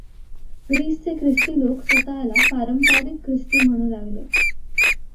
ग्रीसचे ख्रिस्ती लोक स्वता ला पारंपारिक ख्रिस्ती म्हणू लागले.